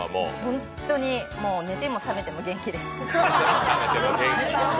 本当に、寝ても覚めても元気です。